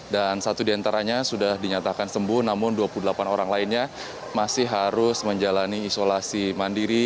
dan satu diantaranya sudah dinyatakan sembuh namun dua puluh delapan orang lainnya masih harus menjalani isolasi mandiri